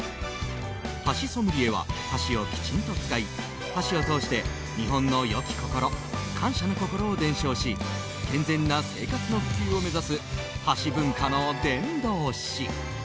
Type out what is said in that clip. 箸ソムリエは、箸をきちんと使い箸を通して日本の良き心感謝の心を伝承し健全な生活の普及を目指す箸文化の伝道師。